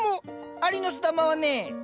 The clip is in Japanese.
アリノスダマはね。